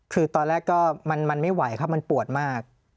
คือตอนแรกก็มันไม่ไหวครับมันปวดมาก